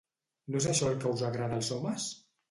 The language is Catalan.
No és això el que us agrada als homes?